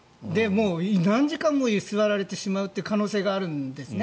何時間も居座られてしまう可能性があるんですね。